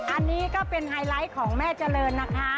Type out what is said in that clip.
อันนี้ก็เป็นไฮไลท์ของแม่เจริญนะคะ